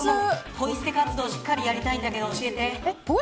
ポイ捨て活動しっかりやりたいんだけど教えて。